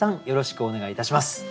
よろしくお願いします。